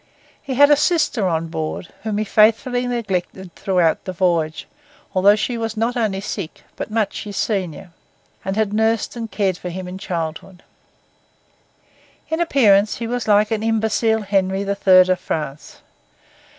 He had a sister on board, whom he faithfully neglected throughout the voyage, though she was not only sick, but much his senior, and had nursed and cared for him in childhood. In appearance he was like an imbecile Henry the Third of France.